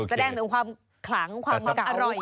แสดงถึงความขลังความอร่อย